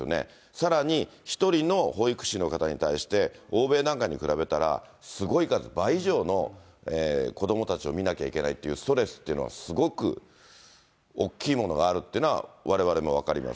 さらに、１人の保育士の方に対して、欧米なんかに比べたら、すごい数、倍以上の子どもたちを見なきゃいけないというストレスというのはすごく大きいものがあるっていうのは、われわれも分かります。